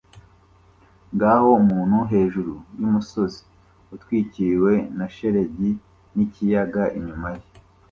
Ngaho umuntu hejuru yumusozi utwikiriwe na shelegi n'ikiyaga inyuma ye